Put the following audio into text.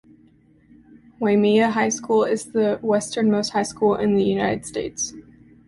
Waimea High School is the westernmost high school in the United States.